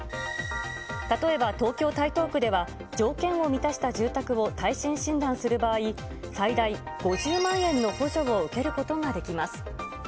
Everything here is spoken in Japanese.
例えば東京・台東区では条件を満たした住宅を耐震診断する場合、最大５０万円の補助を受けることができます。